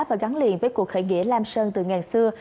và gắn liền với cuộc khởi nghĩa lam sơn từ ngàn xưa